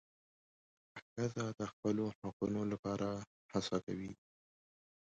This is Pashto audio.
ښځه د خپلو حقونو لپاره هڅه کوي.